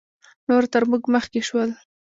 نور تر موږ مخکې شول